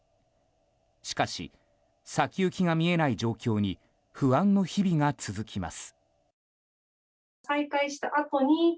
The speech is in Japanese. しかし、先行きが見えない状況に不安の日々が続きます。